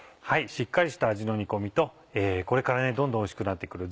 しっかりした味の煮込みとこれからどんどんおいしくなって来る